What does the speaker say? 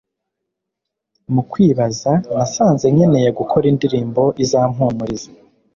mu kwibaza nasanze nkeneye gukora indirimbo izampumuriza